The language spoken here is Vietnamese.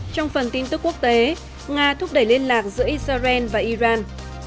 trong phần tin tức quốc tế nga thúc đẩy liên lạc giữa israel và iran